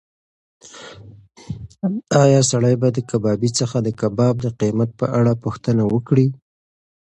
ایا سړی به د کبابي څخه د کباب د قیمت په اړه پوښتنه وکړي؟